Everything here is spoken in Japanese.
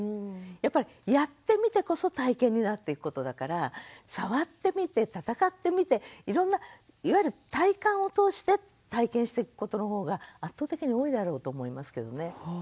やっぱりやってみてこそ体験になっていくことだから触ってみて戦ってみていろんないわゆる体感を通して体験していくことの方が圧倒的に多いだろうと思いますけどね。